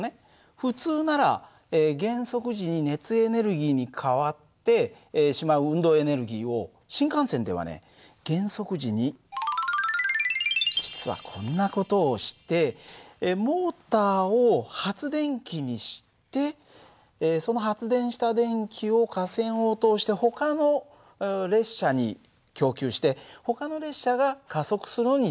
普通なら減速時に熱エネルギーに変わってしまう運動エネルギーを新幹線ではね減速時に実はこんな事をしてモーターを発電機にしてその発電した電気を架線を通してほかの列車に供給してほかの列車が加速するのに使う。